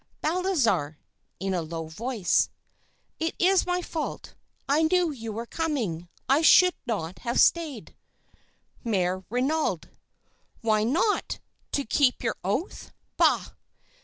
"BALTHAZAR (in a low voice). "It's my fault. I knew you were coming. I should not have stayed. "MÈRE RENAUD. "Why not? To keep your oath? Bah!